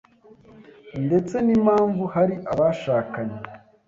ndetse n’impamvu hari abashakanye